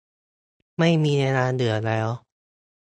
ไม่มีเวลาเหลือแล้ว